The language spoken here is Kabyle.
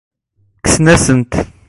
Kksen-as-ten.